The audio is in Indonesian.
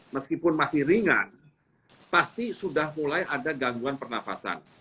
meskipun masih ringan pasti sudah mulai ada gangguan pernafasan